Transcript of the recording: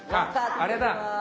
あれだ！